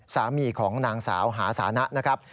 สามีของนางสาวหาสานะนะครับ